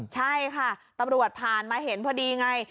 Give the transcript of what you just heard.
ใช่ค่ะตำรวจผ่านมาเห็นพอดีไง